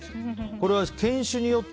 これは、犬種によって